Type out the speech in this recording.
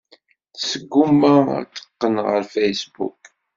Tesguma ad teqqen ɣer Facebook.